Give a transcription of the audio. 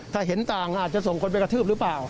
ถ้าเห็นต่างอาจจะส่งคนไปกระทืบหรือเปล่า